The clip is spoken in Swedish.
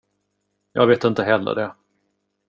Jag vet inte heller det.